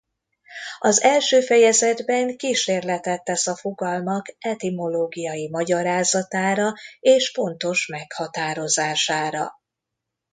Az első fejezetben kísérletet tesz a fogalmak etimológiai magyarázatára és pontos meghatározására.